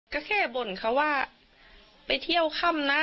ก็แค่บ่นเขาว่าไปเที่ยวค่ำนะ